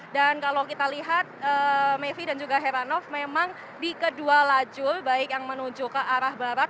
dan kalau kita lihat melfri dan juga heranov memang di kedua lajur baik yang menuju ke arah barat